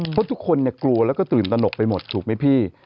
เพราะทุกคนกลัวแล้วก็ตื่นตนกไปหมดถูกไหมพี่